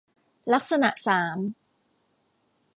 ลักษณะสาม